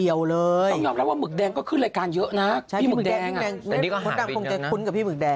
อยู่นานมาก